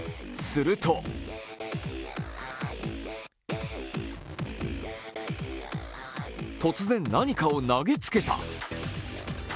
すると突然、何かを投げつけた。